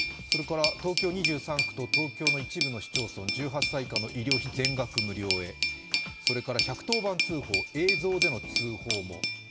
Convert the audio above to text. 東京２３区と東京の一部の市町村、１８歳以下の医療費全額無料へ、それから１１０番通報、映像での通報も。